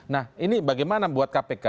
nah ini bagaimana buat kpk